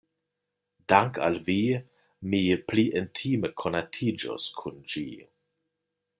Dank' al vi mi pli intime konatiĝos kun ĝi.